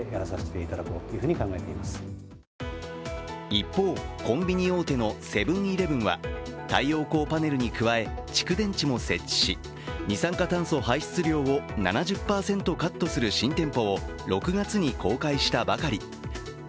一方、コンビニ大手のセブン−イレブンは太陽光パネルに加え、蓄電池も設置し、二酸化炭素排出量を７０％カットする新店舗を６月に公開したばかり。